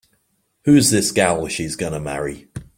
Who's this gal she's gonna marry?